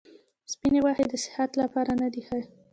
سپیني غوښي د صحت لپاره نه دي ښه.